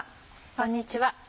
こんにちは。